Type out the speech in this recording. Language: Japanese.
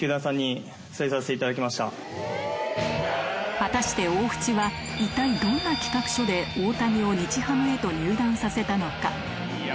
果たして大渕は一体どんな企画書で大谷を日ハムへと入団させたのか？